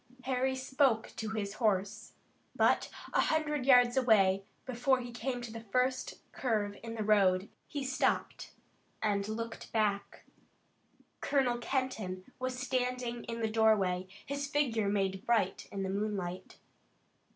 Harry spoke to his horse, but a hundred yards away, before he came to the first curve in the road, he stopped and looked back. Colonel Kenton was standing in the doorway, his figure made bright in the moonlight.